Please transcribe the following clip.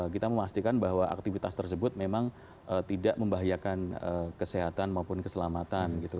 kita memastikan bahwa aktivitas tersebut memang tidak membahayakan kesehatan maupun keselamatan gitu